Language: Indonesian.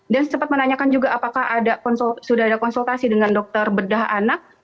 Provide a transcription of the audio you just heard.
dan sempat menanyakan juga apakah sudah ada konsultasi dengan dokter bedah anak